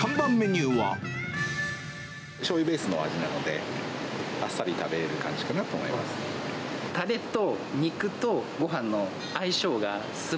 しょうゆベースの味なので、あっさり食べれる感じかなと思います。